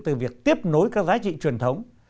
từ việc tiếp nối các giá trị truyền thống